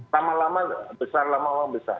lama lama besar lama lama besar